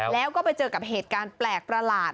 แล้วก็ไปเจอกับเหตุการณ์แปลกประหลาด